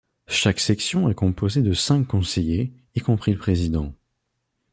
Chaque section est composée de cinq conseillers, y compris le président.